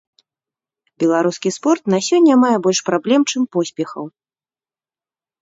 Беларускі спорт на сёння мае больш праблем, чым поспехаў.